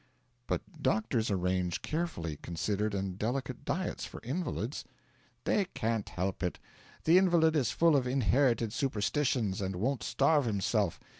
'But doctors arrange carefully considered and delicate diets for invalids.' 'They can't help it. The invalid is full of inherited superstitions and won't starve himself.